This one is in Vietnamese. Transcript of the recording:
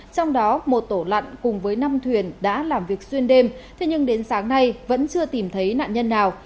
trong đó một tổ lặn cùng với năm thuyền đã làm việc xuyên đêm thế nhưng đến sáng nay vẫn chưa tìm thấy nạn nhân nào